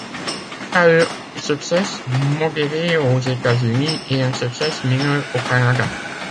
Il a eu un succès modéré aux États-Unis et un succès mineur au Canada.